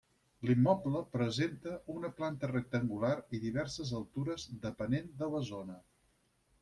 L'immoble presenta una planta rectangular i diverses altures depenent de la zona.